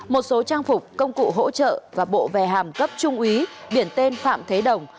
một số trang phục công cụ hỗ trợ và bộ về hàm cấp trung úy biển tên phạm thế đồng